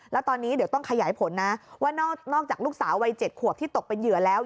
แล้วตอนนี้เดี๋ยวต้องขยายผลนะว่านอกจากลูกสาววัย๗ขวบที่ตกเป็นเหยื่อแล้ว